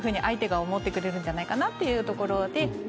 相手が思ってくれるんじゃないかなというところで。